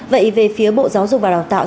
vậy về phía bộ giáo dục và đào tạo